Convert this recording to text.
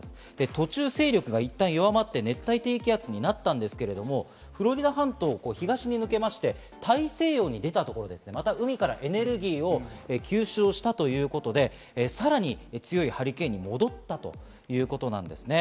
途中、勢力が一旦弱まって、熱帯低気圧になったんですけれども、フロリダ半島を東に抜けまして、大西洋に出たところで、また海からエネルギーを吸収したということで、さらに強いハリケーンに戻ったということなんですね。